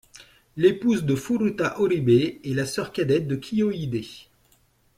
L'épouse de Furuta Oribe est la sœur cadette de Kiyohide.